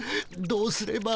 どうすれば。